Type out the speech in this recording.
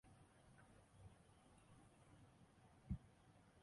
展馆中还展出了珍藏于希伯来大学的爱因斯坦相对论手稿。